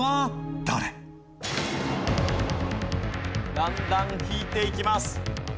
だんだん引いていきます。